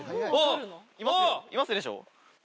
いますでしょ？